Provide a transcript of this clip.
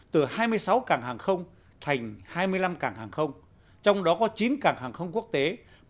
từ hai mươi sáu cảng hàng không thành hai mươi năm cảng hàng không trong đó có chín cảng hàng không quốc tế